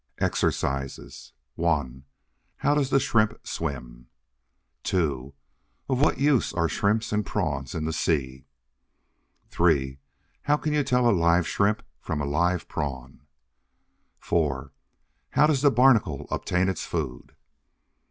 EXERCISES 1. How does the Shrimp swim? 2. Of what use are Shrimps and Prawns in the sea? 3. How can you tell a live Shrimp from a live Prawn? 4. How does the Barnacle obtain its food?